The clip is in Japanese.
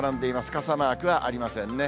傘マークはありませんね。